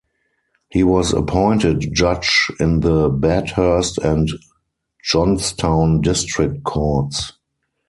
He was appointed judge in the Bathurst and Johnstown District courts.